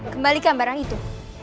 kembalikan barang itu